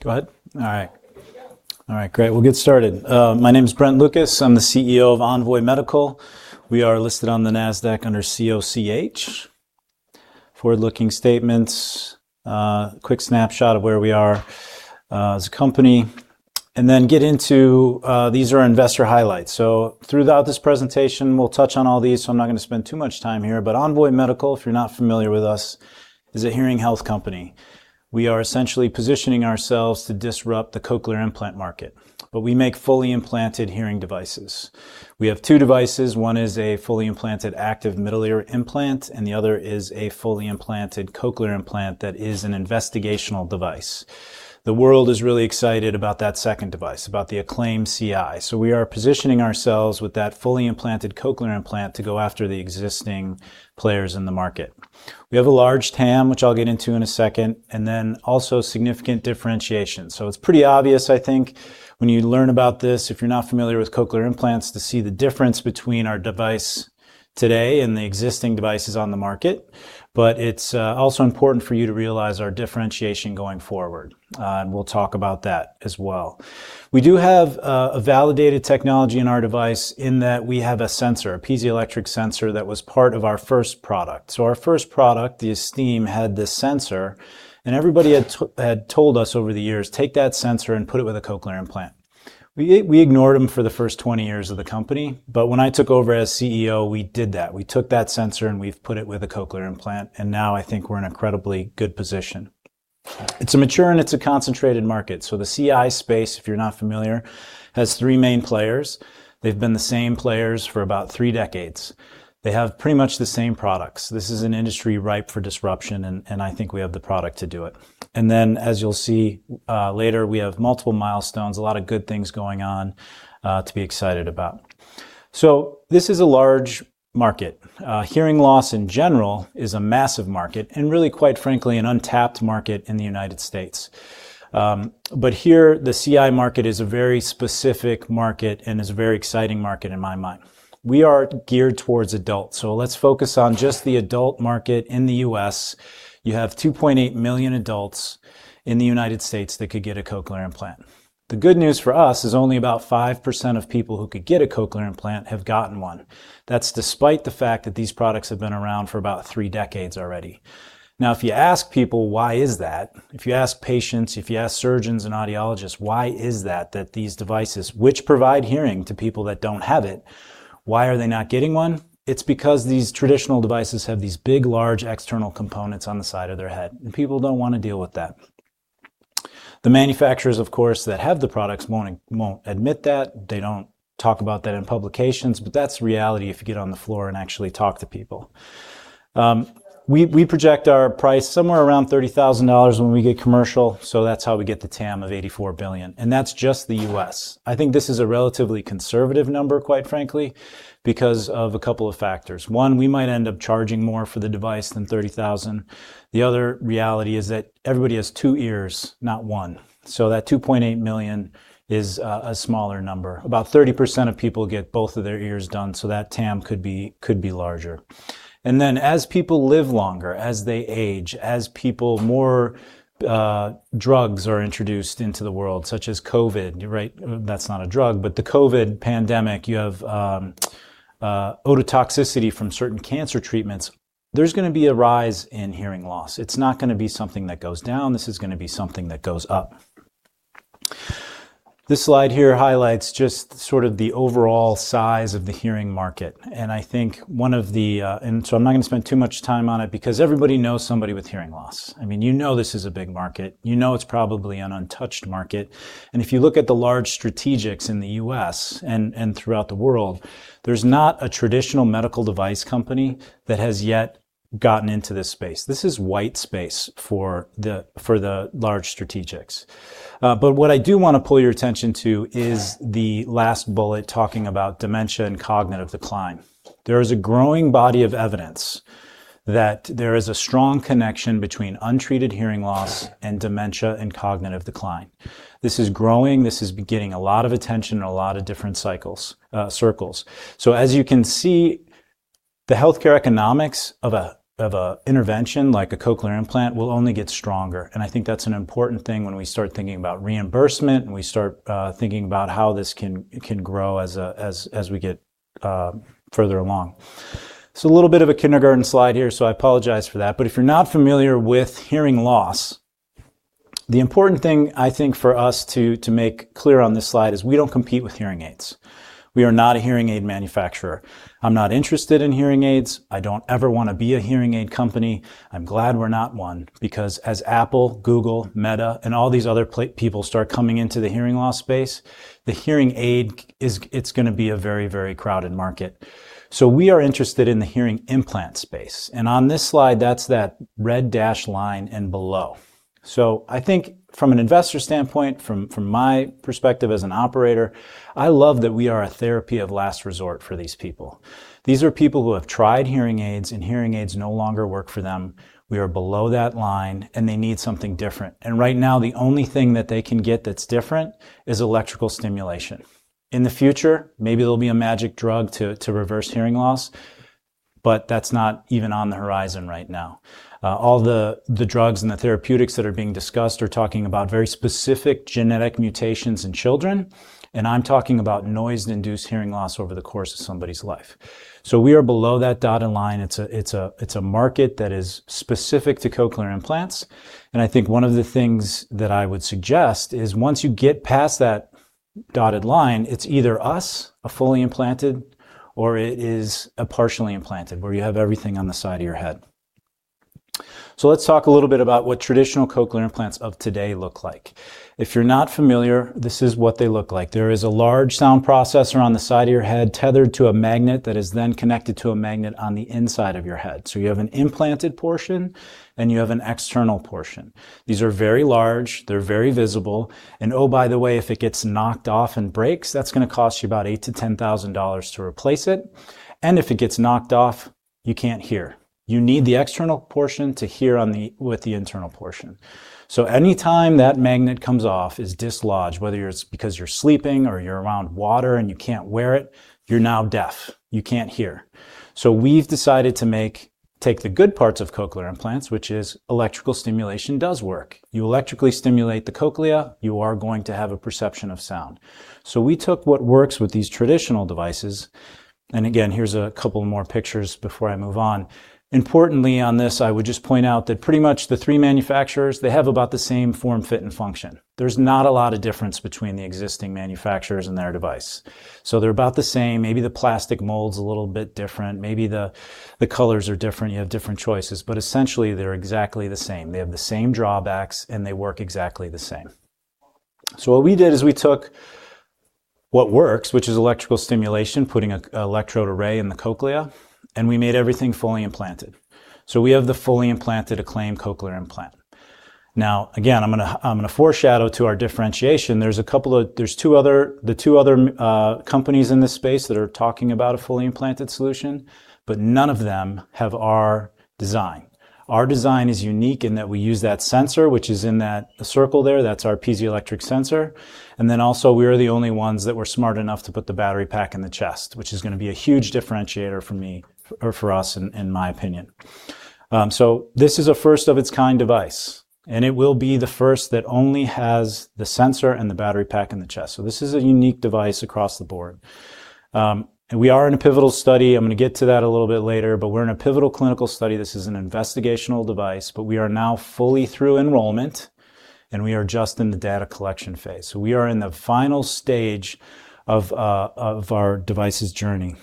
Go ahead. All right. Good to go. All right, great. We'll get started. My name is Brent Lucas. I'm the CEO of Envoy Medical. We are listed on the NASDAQ under COCH. Forward-looking statements, a quick snapshot of where we are as a company, get into our investor highlights. Throughout this presentation, we'll touch on all these, so I'm not going to spend too much time here. Envoy Medical, if you're not familiar with us, is a hearing health company. We are essentially positioning ourselves to disrupt the cochlear implant market, but we make fully implanted hearing devices. We have two devices. One is a fully implanted active middle ear implant, and the other is a fully implanted cochlear implant that is an investigational device. The world is really excited about that second device, about the ACLAIM CI. We are positioning ourselves with that fully implanted cochlear implant to go after the existing players in the market. We have a large TAM, which I'll get into in a second, also significant differentiation. It's pretty obvious, I think, when you learn about this, if you're not familiar with cochlear implants, to see the difference between our device today and the existing devices on the market. It's also important for you to realize our differentiation going forward, and we'll talk about that as well. We do have a validated technology in our device in that we have a sensor, a piezoelectric sensor, that was part of our first product. Our first product, the Esteem, had this sensor, and everybody had told us over the years, "Take that sensor and put it with a cochlear implant." We ignored them for the first 20 years of the company, but when I took over as CEO, we did that. We took that sensor, and we've put it with a cochlear implant, and now I think we're in an incredibly good position. It's a mature and it's a concentrated market. The CI space, if you're not familiar, has three main players. They've been the same players for about three decades. They have pretty much the same products. This is an industry ripe for disruption, and I think we have the product to do it. Then, as you'll see later, we have multiple milestones, a lot of good things going on to be excited about. This is a large market. Hearing loss in general is a massive market and really, quite frankly, an untapped market in the U.S. Here, the CI market is a very specific market and is a very exciting market in my mind. We are geared towards adults. Let's focus on just the adult market in the U.S. You have 2.8 million adults in the U.S. that could get a cochlear implant. The good news for us is only about 5% of people who could get a cochlear implant have gotten one. That's despite the fact that these products have been around for about three decades already. Now, if you ask people why is that, if you ask patients, if you ask surgeons and audiologists, why is that these devices, which provide hearing to people that don't have it, why are they not getting one? It's because these traditional devices have these big, large external components on the side of their head, and people don't want to deal with that. The manufacturers, of course, that have the products won't admit that. They don't talk about that in publications, but that's reality if you get on the floor and actually talk to people. We project our price somewhere around $30,000 when we get commercial, so that's how we get the TAM of $84 billion. That's just the U.S. I think this is a relatively conservative number, quite frankly, because of a couple of factors. One, we might end up charging more for the device than $30,000. The other reality is that everybody has two ears, not one. So that 2.8 million is a smaller number. About 30% of people get both of their ears done, so that TAM could be larger. As people live longer, as they age, as more drugs are introduced into the world, such as COVID, right? That's not a drug, but the COVID pandemic. You have ototoxicity from certain cancer treatments. There's going to be a rise in hearing loss. It's not going to be something that goes down. This is going to be something that goes up. This slide here highlights just sort of the overall size of the hearing market. I'm not going to spend too much time on it because everybody knows somebody with hearing loss. You know this is a big market. You know it's probably an untouched market. If you look at the large strategics in the U.S. and throughout the world, there's not a traditional medical device company that has yet gotten into this space. This is white space for the large strategics. What I do want to pull your attention to is the last bullet talking about dementia and cognitive decline. There is a growing body of evidence that there is a strong connection between untreated hearing loss and dementia and cognitive decline. This is growing. This is getting a lot of attention in a lot of different circles. As you can see, the healthcare economics of an intervention like a cochlear implant will only get stronger, and I think that's an important thing when we start thinking about reimbursement, and we start thinking about how this can grow as we get further along. A little bit of a kindergarten slide here, so I apologize for that. If you're not familiar with hearing loss, the important thing I think for us to make clear on this slide is we don't compete with hearing aids. We are not a hearing aid manufacturer. I'm not interested in hearing aids. I don't ever want to be a hearing aid company. I'm glad we're not one because as Apple, Google, Meta, and all these other people start coming into the hearing loss space, the hearing aid is going to be a very crowded market. We are interested in the hearing implant space, and on this slide, that's that red dashed line and below. I think from an investor standpoint, from my perspective as an operator, I love that we are a therapy of last resort for these people. These are people who have tried hearing aids, and hearing aids no longer work for them. We are below that line, and they need something different. Right now, the only thing that they can get that's different is electrical stimulation. In the future, maybe there'll be a magic drug to reverse hearing loss. That's not even on the horizon right now. All the drugs and the therapeutics that are being discussed are talking about very specific genetic mutations in children, and I'm talking about noise-induced hearing loss over the course of somebody's life. We are below that dotted line. It's a market that is specific to cochlear implants, and I think one of the things that I would suggest is once you get past that dotted line, it's either us, a fully implanted, or it is a partially implanted, where you have everything on the side of your head. Let's talk a little bit about what traditional cochlear implants of today look like. If you're not familiar, this is what they look like. There is a large sound processor on the side of your head tethered to a magnet that is then connected to a magnet on the inside of your head. You have an implanted portion, and you have an external portion. These are very large. They're very visible. Oh, by the way, if it gets knocked off and breaks, that's going to cost you about $8,000-$10,000 to replace it. If it gets knocked off, you can't hear. You need the external portion to hear with the internal portion. Any time that magnet comes off, is dislodged, whether it's because you're sleeping or you're around water and you can't wear it, you're now deaf. You can't hear. We've decided to take the good parts of cochlear implants, which is electrical stimulation does work. You electrically stimulate the cochlea, you are going to have a perception of sound. We took what works with these traditional devices, and again, here's a couple more pictures before I move on. Importantly on this, I would just point out that pretty much the three manufacturers, they have about the same form, fit, and function. There's not a lot of difference between the existing manufacturers and their device. They're about the same. Maybe the plastic mold's a little bit different. Maybe the colors are different. You have different choices. Essentially, they're exactly the same. They have the same drawbacks, and they work exactly the same. What we did is we took what works, which is electrical stimulation, putting an electrode array in the cochlea, and we made everything fully implanted. We have the fully implanted Acclaim Cochlear Implant. Again, I'm going to foreshadow to our differentiation. There's two other companies in this space that are talking about a fully implanted solution. None of them have our design. Our design is unique in that we use that sensor, which is in that circle there. That's our piezoelectric sensor. We are the only ones that were smart enough to put the battery pack in the chest, which is going to be a huge differentiator for us, in my opinion. This is a first-of-its-kind device, and it will be the first that only has the sensor and the battery pack in the chest. This is a unique device across the board. We are in a pivotal study. I'm going to get to that a little bit later. We're in a pivotal clinical study. This is an investigational device. We are now fully through enrollment, and we are just in the data collection phase. We are in the final stage of our device's journey.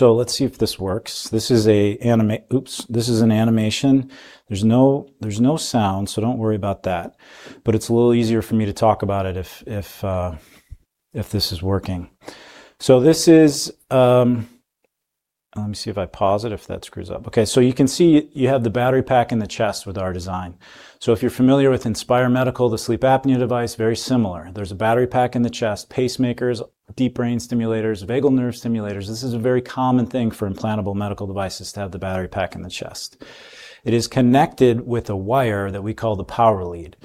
Let's see if this works. This is an animation. There's no sound. Don't worry about that. It's a little easier for me to talk about it if this is working. Let me see if I pause it, if that screws up. Okay, you can see you have the battery pack in the chest with our design. If you're familiar with Inspire Medical, the sleep apnea device, very similar. There's a battery pack in the chest. Pacemakers, deep brain stimulators, vagal nerve stimulators. This is a very common thing for implantable medical devices to have the battery pack in the chest. It is connected with a wire that we call the power lead.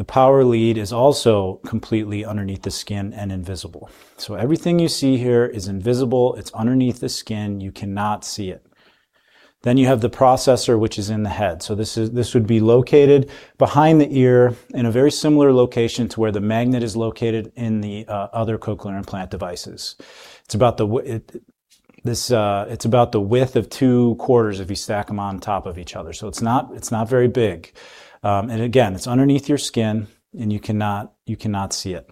The power lead is also completely underneath the skin and invisible. Everything you see here is invisible. It's underneath the skin. You cannot see it. You have the processor, which is in the head. This would be located behind the ear in a very similar location to where the magnet is located in the other cochlear implant devices. It's about the width of two quarters if you stack them on top of each other. It's not very big. Again, it's underneath your skin, and you cannot see it.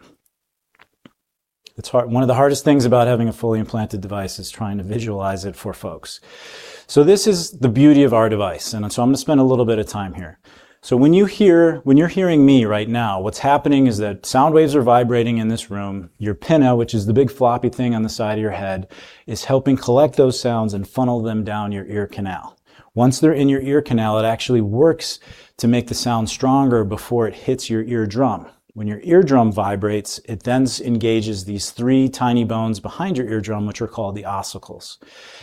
One of the hardest things about having a fully implanted device is trying to visualize it for folks. This is the beauty of our device. I'm going to spend a little bit of time here. When you're hearing me right now, what's happening is that sound waves are vibrating in this room. Your pinna, which is the big floppy thing on the side of your head, is helping collect those sounds and funnel them down your ear canal. Once they're in your ear canal, it actually works to make the sound stronger before it hits your eardrum. When your eardrum vibrates, it then engages these three tiny bones behind your eardrum, which are called the ossicles.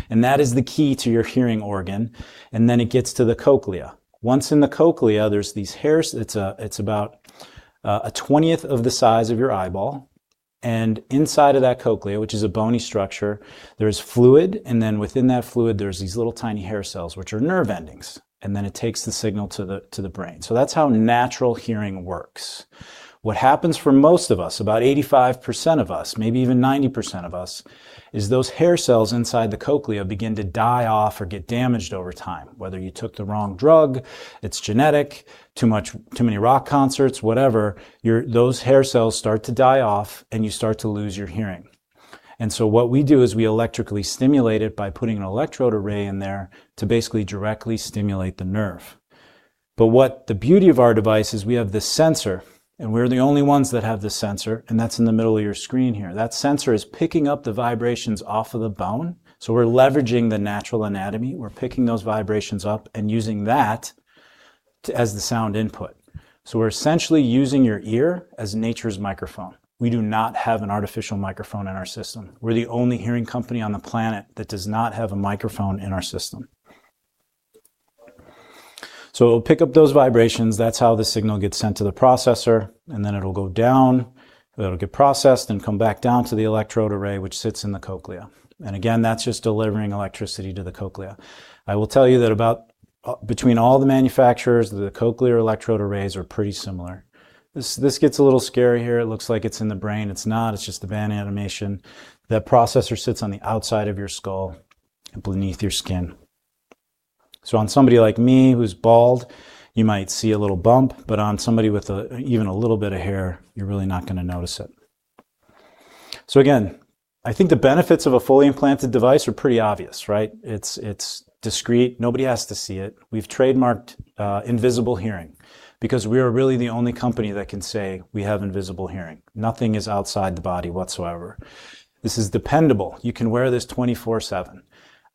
That is the key to your hearing organ, and then it gets to the cochlea. Once in the cochlea, there's these. It's about a 20th of the size of your eyeball. Inside of that cochlea, which is a bony structure, there is fluid, and then within that fluid, there's these little tiny hair cells, which are nerve endings. It then takes the signal to the brain. That's how natural hearing works. What happens for most of us, about 85% of us, maybe even 90% of us, is those hair cells inside the cochlea begin to die off or get damaged over time. Whether you took the wrong drug, it's genetic, too many rock concerts, whatever, those hair cells start to die off, and you start to lose your hearing. What we do is we electrically stimulate it by putting an electrode array in there to basically directly stimulate the nerve. What the beauty of our device is we have this sensor, and we're the only ones that have this sensor, and that's in the middle of your screen here. That sensor is picking up the vibrations off of the bone. We're leveraging the natural anatomy. We're picking those vibrations up and using that as the sound input. We're essentially using your ear as nature's microphone. We do not have an artificial microphone in our system. We're the only hearing company on the planet that does not have a microphone in our system. It will pick up those vibrations. That's how the signal gets sent to the processor, and then it'll go down, it'll get processed, and come back down to the electrode array, which sits in the cochlea. Again, that's just delivering electricity to the cochlea. I will tell you that between all the manufacturers, the cochlear electrode arrays are pretty similar. This gets a little scary here. It looks like it's in the brain. It's not. It's just a bad animation. That processor sits on the outside of your skull and beneath your skin. On somebody like me who's bald, you might see a little bump. On somebody with even a little bit of hair, you're really not going to notice it. Again, I think the benefits of a fully implanted device are pretty obvious, right? It's discreet. Nobody has to see it. We've trademarked Invisible Hearing because we are really the only company that can say we have invisible hearing. Nothing is outside the body whatsoever. This is dependable. You can wear this 24/7.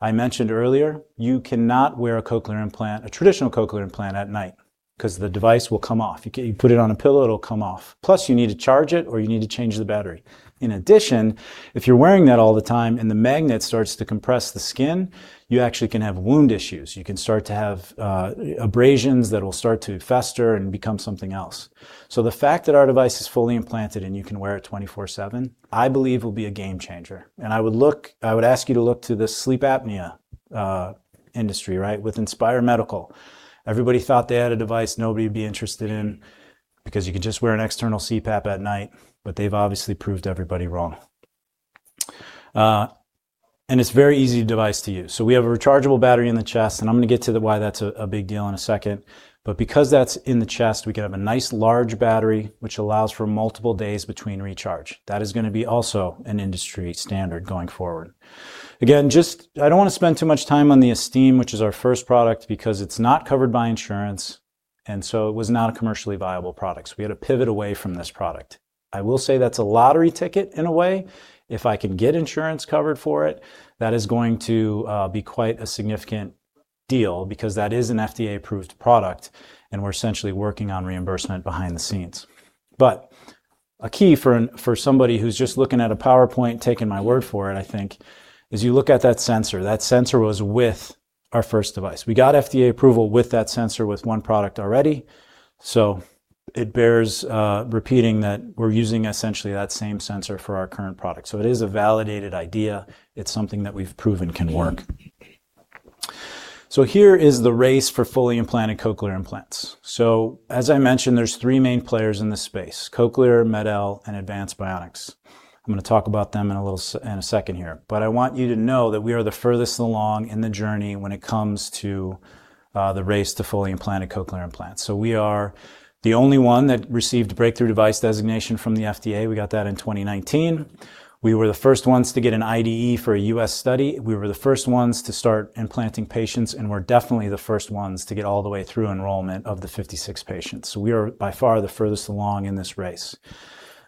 I mentioned earlier, you cannot wear a traditional cochlear implant at night because the device will come off. You put it on a pillow, it'll come off. Plus, you need to charge it, or you need to change the battery. In addition, if you're wearing that all the time and the magnet starts to compress the skin, you actually can have wound issues. You can start to have abrasions that will start to fester and become something else. The fact that our device is fully implanted and you can wear it 24/7, I believe will be a game changer. I would ask you to look to the sleep apnea industry, with Inspire Medical Systems, Inc. Everybody thought they had a device nobody would be interested in because you could just wear an external CPAP at night, they've obviously proved everybody wrong. It's very easy device to use. We have a rechargeable battery in the chest, I'm going to get to the why that's a big deal in a second. Because that's in the chest, we can have a nice large battery, which allows for multiple days between recharge. That is going to be also an industry standard going forward. I don't want to spend too much time on the Esteem, which is our first product, because it's not covered by insurance, it was not a commercially viable product. We had to pivot away from this product. I will say that's a lottery ticket in a way. If I can get insurance covered for it, that is going to be quite a significant deal because that is an FDA-approved product, and we're essentially working on reimbursement behind the scenes. A key for somebody who's just looking at a PowerPoint, taking my word for it, I think, is you look at that sensor. That sensor was with our first device. We got FDA approval with that sensor with one product already. It bears repeating that we're using essentially that same sensor for our current product. It is a validated idea. It's something that we've proven can work. Here is the race for fully implanted cochlear implants. As I mentioned, there's three main players in this space, Cochlear, MED-EL, and Advanced Bionics. I'm going to talk about them in a second here, I want you to know that we are the furthest along in the journey when it comes to the race to fully implanted cochlear implants. We are the only one that received Breakthrough Device Designation from the FDA. We got that in 2019. We were the first ones to get an IDE for a U.S. study. We were the first ones to start implanting patients, we're definitely the first ones to get all the way through enrollment of the 56 patients. We are by far the furthest along in this race.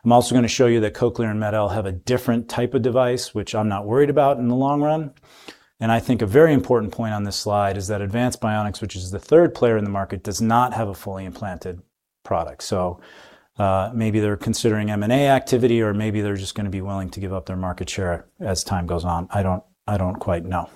I'm also going to show you that Cochlear and MED-EL have a different type of device, which I'm not worried about in the long run. I think a very important point on this slide is that Advanced Bionics, which is the third player in the market, does not have a fully implanted product. Maybe they're considering M&A activity or maybe they're just going to be willing to give up their market share as time goes on. I don't quite know.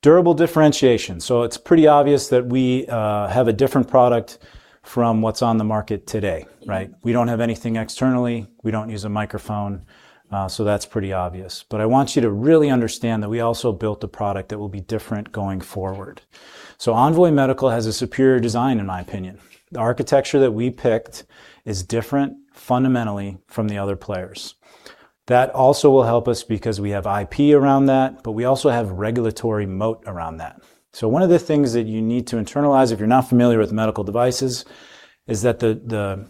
Durable differentiation. It's pretty obvious that we have a different product from what's on the market today, right? We don't have anything externally. We don't use a microphone. That's pretty obvious. I want you to really understand that we also built a product that will be different going forward. Envoy Medical has a superior design, in my opinion. The architecture that we picked is different fundamentally from the other players. That also will help us because we have IP around that, but we also have regulatory moat around that. One of the things that you need to internalize if you're not familiar with medical devices is that the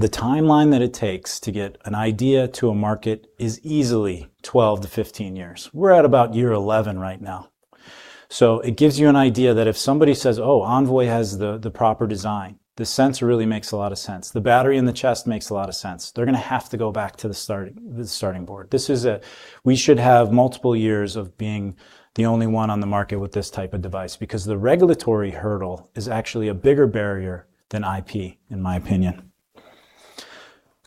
timeline that it takes to get an idea to a market is easily 12-15 years. We're at about year 11 right now. It gives you an idea that if somebody says, "Oh, Envoy has the proper design. The sensor really makes a lot of sense. The battery in the chest makes a lot of sense." They're going to have to go back to the starting board. We should have multiple years of being the only one on the market with this type of device because the regulatory hurdle is actually a bigger barrier than IP, in my opinion.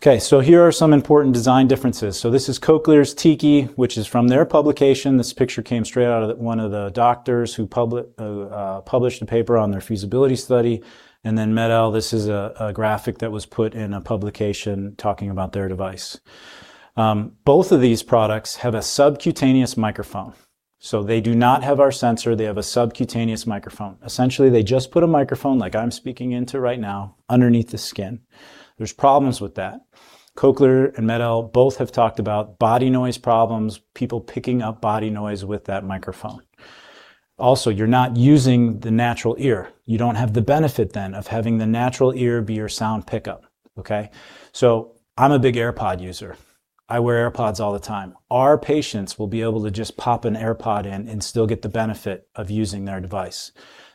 Here are some important design differences. This is Cochlear's Tiki, which is from their publication. This picture came straight out of one of the doctors who published a paper on their feasibility study. MED-EL, this is a graphic that was put in a publication talking about their device. Both of these products have a subcutaneous microphone. They do not have our sensor. They have a subcutaneous microphone. Essentially, they just put a microphone like I'm speaking into right now underneath the skin. There's problems with that. Cochlear and MED-EL both have talked about body noise problems, people picking up body noise with that microphone. Also, you're not using the natural ear. You don't have the benefit then of having the natural ear be your sound pickup, okay? I'm a big AirPod user. I wear AirPods all the time. Our patients will be able to just pop an AirPod in and still get the benefit of using their device.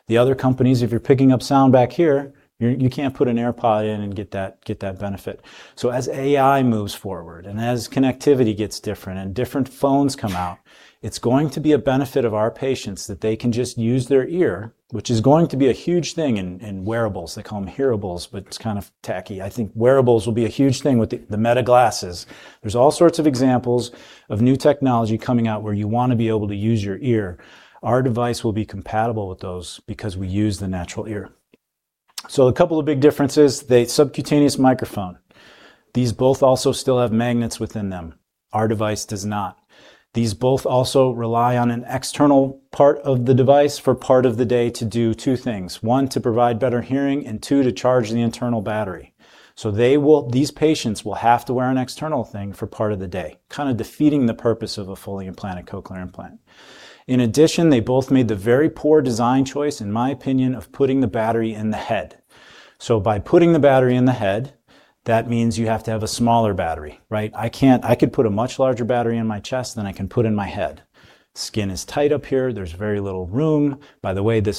The other companies, if you're picking up sound back here, you can't put an AirPod in and get that benefit. As AI moves forward and as connectivity gets different and different phones come out, it's going to be a benefit of our patients that they can just use their ear, which is going to be a huge thing in wearables. They call them hearables, but it's kind of tacky. I think wearables will be a huge thing with the Meta glasses. There's all sorts of examples of new technology coming out where you want to be able to use your ear. Our device will be compatible with those because we use the natural ear. A couple of big differences. The subcutaneous microphone. These both also still have magnets within them. Our device does not. These both also rely on an external part of the device for part of the day to do two things. One, to provide better hearing, and two, to charge the internal battery. These patients will have to wear an external thing for part of the day, kind of defeating the purpose of a fully implanted cochlear implant. In addition, they both made the very poor design choice, in my opinion, of putting the battery in the head. By putting the battery in the head, that means you have to have a smaller battery, right? I could put a much larger battery in my chest than I can put in my head. Skin is tight up here. There's very little room. By the way, the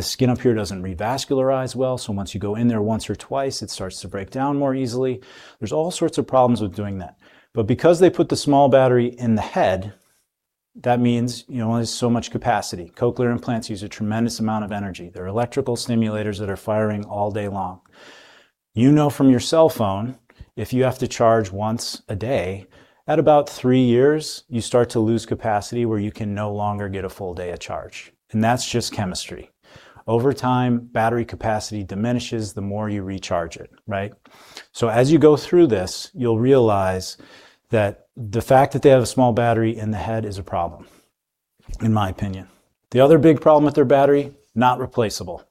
skin up here doesn't revascularize well, so once you go in there once or twice, it starts to break down more easily. There's all sorts of problems with doing that. Because they put the small battery in the head, that means there's so much capacity. Cochlear implants use a tremendous amount of energy. They're electrical stimulators that are firing all day long. You know from your cell phone, if you have to charge once a day, at about three years, you start to lose capacity where you can no longer get a full day of charge. That's just chemistry. Over time, battery capacity diminishes the more you recharge it, right? As you go through this, you'll realize that the fact that they have a small battery in the head is a problem, in my opinion. The other big problem with their battery, not replaceable.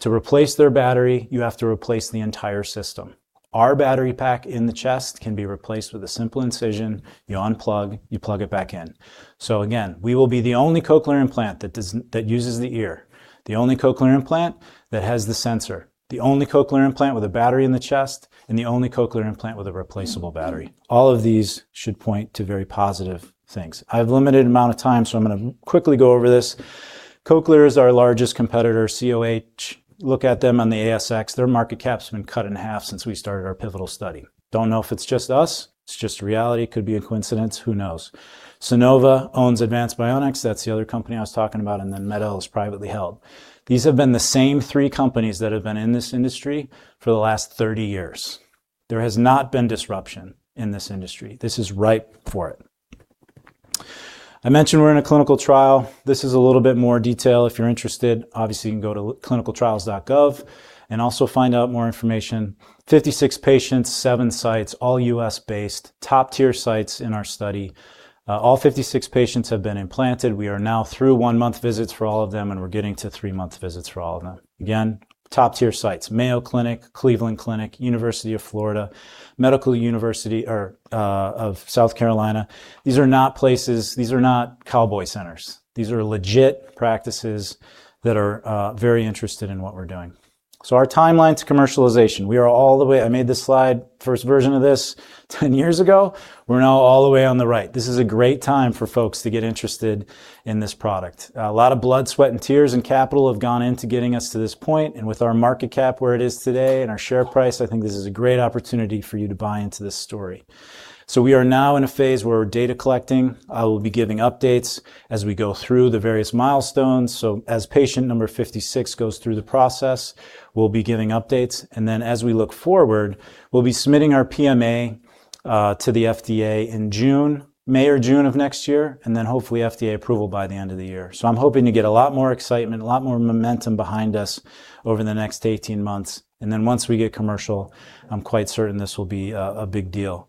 To replace their battery, you have to replace the entire system. Our battery pack in the chest can be replaced with a simple incision. You unplug, you plug it back in. Again, we will be the only cochlear implant that uses the ear, the only cochlear implant that has the sensor, the only cochlear implant with a battery in the chest, and the only cochlear implant with a replaceable battery. All of these should point to very positive things. I have a limited amount of time, so I'm going to quickly go over this. Cochlear is our largest competitor, COH. Look at them on the ASX. Their market cap's been cut in half since we started our pivotal study. Don't know if it's just us. It's just reality. Could be a coincidence. Who knows? Sonova owns Advanced Bionics. That's the other company I was talking about. MED-EL is privately held. These have been the same three companies that have been in this industry for the last 30 years. There has not been disruption in this industry. This is ripe for it. I mentioned we're in a clinical trial. This is a little bit more detail. If you're interested, obviously, you can go to clinicaltrials.gov and also find out more information. 56 patients, seven sites, all U.S.-based. Top-tier sites in our study. All 56 patients have been implanted. We are now through one-month visits for all of them, and we're getting to three-month visits for all of them. Again, top-tier sites. Mayo Clinic, Cleveland Clinic, University of Florida, Medical University of South Carolina. These are not cowboy centers. These are legit practices that are very interested in what we're doing. Our timeline to commercialization. I made this slide, first version of this 10 years ago. We're now all the way on the right. This is a great time for folks to get interested in this product. A lot of blood, sweat, and tears, and capital have gone into getting us to this point. With our market cap where it is today and our share price, I think this is a great opportunity for you to buy into this story. We are now in a phase where we're data collecting. I will be giving updates as we go through the various milestones. As patient number 56 goes through the process, we'll be giving updates. As we look forward, we will be submitting our PMA to the FDA in May or June of next year, hopefully FDA approval by the end of the year. I am hoping to get a lot more excitement, a lot more momentum behind us over the next 18 months. Once we get commercial, I am quite certain this will be a big deal.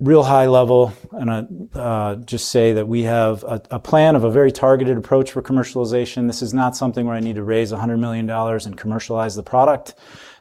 Real high level, I just say that we have a plan of a very targeted approach for commercialization. This is not something where I need to raise $100 million and commercialize the product.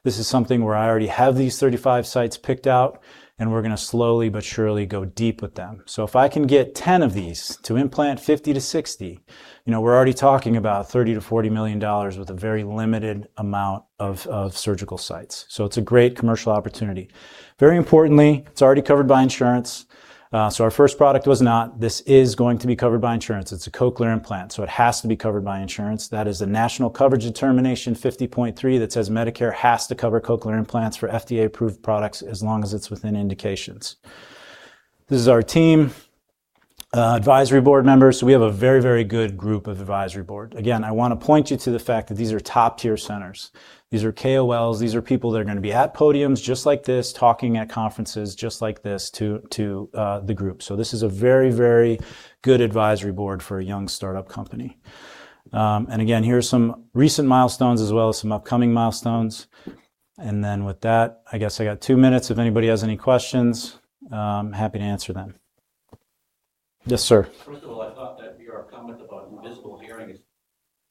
This is something where I already have these 35 sites picked out, and we are going to slowly but surely go deep with them. If I can get 10 of these to implant 50 to 60, we are already talking about $30 million-$40 million with a very limited amount of surgical sites. It is a great commercial opportunity. Very importantly, it is already covered by insurance. Our first product was not. This is going to be covered by insurance. It is a cochlear implant, it has to be covered by insurance. That is the National Coverage Determination 50.3 that says Medicare has to cover cochlear implants for FDA-approved products as long as it is within indications. This is our team. Advisory board members. We have a very good group of advisory board. Again, I want to point you to the fact that these are top-tier centers. These are KOLs. These are people that are going to be at podiums just like this, talking at conferences just like this to the group. This is a very good advisory board for a young startup company. Again, here are some recent milestones as well as some upcoming milestones. With that, I guess I got two minutes. If anybody has any questions, I am happy to answer them. Yes, sir. First of all, I thought that VR comment about Invisible Hearing is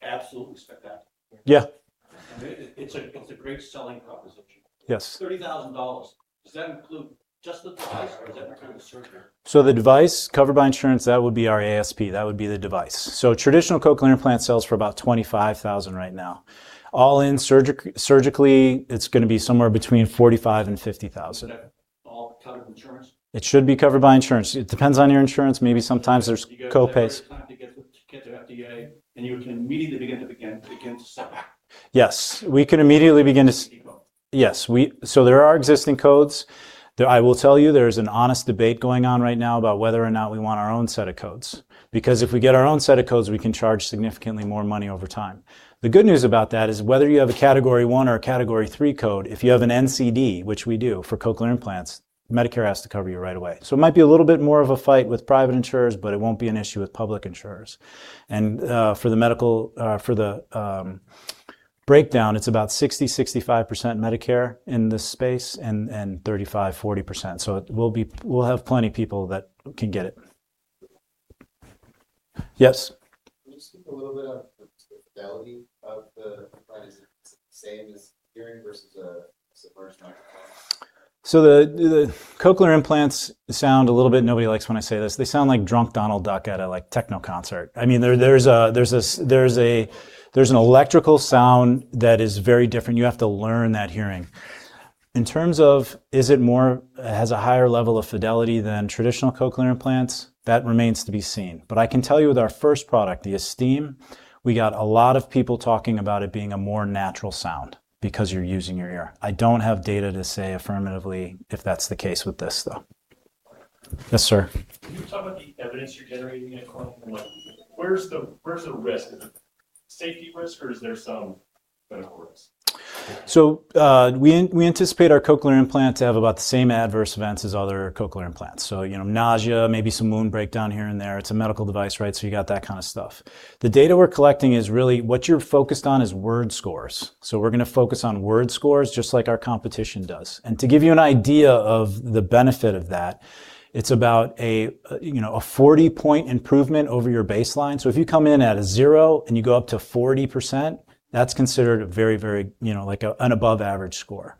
absolutely spectacular. Yeah. It's a great selling proposition. Yes. $30,000. Does that include just the device, or does that include the surgery? The device covered by insurance, that would be our ASP. That would be the device. Traditional cochlear implant sells for about $25,000 right now. All in surgically, it's going to be somewhere between $45,000 and $50,000. Is that all covered insurance? It should be covered by insurance. It depends on your insurance. Maybe sometimes there's co-pays. You guys are planning to get to FDA. You can immediately begin to sell. Yes. We can immediately begin to. Yes. There are existing codes. I will tell you, there is an honest debate going on right now about whether or not we want our own set of codes. Because if we get our own set of codes, we can charge significantly more money over time. The good news about that is whether you have a Category I or a Category III code, if you have an NCD, which we do for cochlear implants, Medicare has to cover you right away. It might be a little bit more of a fight with private insurers, but it won't be an issue with public insurers. For the medical breakdown, it's about 60%-65% Medicare in this space, and 35%-40%. We'll have plenty of people that can get it. Yes. Can you speak a little bit on the fidelity of the product? Is it the same as hearing versus a submerged microphone? The cochlear implants sound a little bit, nobody likes when I say this, they sound like drunk Donald Duck at a techno concert. There's an electrical sound that is very different. You have to learn that hearing. In terms of, has a higher level of fidelity than traditional cochlear implants, that remains to be seen. I can tell you with our first product, the Esteem, we got a lot of people talking about it being a more natural sound because you're using your ear. I don't have data to say affirmatively if that's the case with this, though. Yes, sir. Can you talk about the evidence you're generating at Cochlear? Where's the risk? Is it safety risk or is there some medical risk? We anticipate our cochlear implant to have about the same adverse events as other cochlear implants. Nausea, maybe some wound breakdown here and there. It's a medical device, you got that kind of stuff. The data we're collecting is really what you're focused on is word scores. We're going to focus on word scores just like our competition does. To give you an idea of the benefit of that, it's about a 40-point improvement over your baseline. If you come in at a zero and you go up to 40%, that's considered an above average score.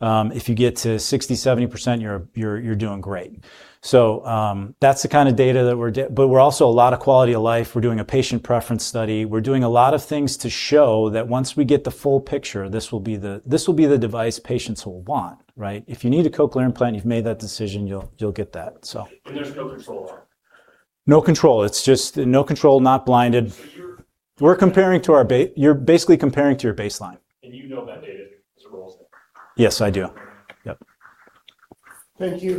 If you get to 60%, 70%, you're doing great. That's the kind of data. We're also a lot of quality of life. We're doing a patient preference study. We're doing a lot of things to show that once we get the full picture, this will be the device patients will want. If you need a cochlear implant, you've made that decision, you'll get that. There's no control arm? No control. No control, not blinded. You're- You're basically comparing to your baseline. You know that data as it rolls in? Yes, I do. Yep. Thank you.